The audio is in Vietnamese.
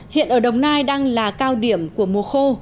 hiện ở đồng nai đang là cao điểm của mùa khô